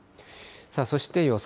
そして予想